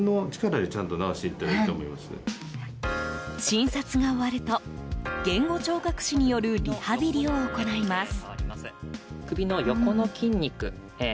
診察が終わると言語聴覚士によるリハビリを行います。